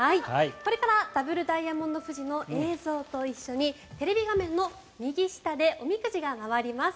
これからダブルダイヤモンド富士の映像と一緒にテレビ画面の右下でおみくじが回ります。